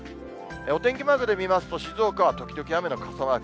お天気マークで見ますと、静岡は時々雨の傘マーク。